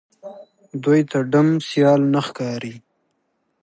دوی ته ډم سيال نه ښکاري